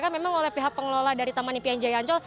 memang oleh pihak pengelola dari taman impian jaya ancol